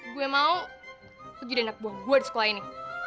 gue mau aku jadi anak buah gue di sekolah ini